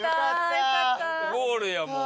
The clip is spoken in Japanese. ゴールやもう。